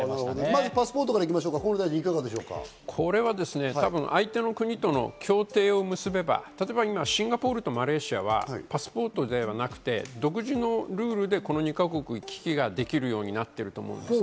まずパスポートから行きまし相手の国との協定を結べば、今シンガポールとマレーシアはパスポートではなくて、独自のルールで２か国を行き来ができるようになってると思うんです。